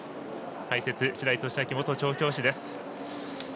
解説・白井寿昭元調教師です。